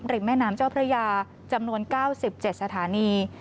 แม่น้ำเจ้าพระยาจำนวน๙๗สถานี